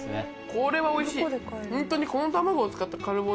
これはおいしい。